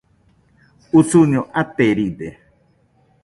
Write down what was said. Usuño ateride